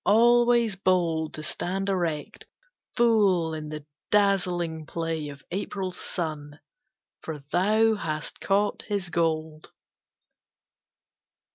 Always bold To stand erect, full in the dazzling play Of April's sun, for thou hast caught his gold.